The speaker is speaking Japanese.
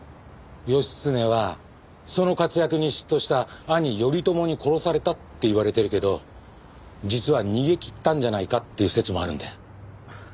義経はその活躍に嫉妬した兄頼朝に殺されたっていわれてるけど実は逃げきったんじゃないかっていう説もあるんだよ。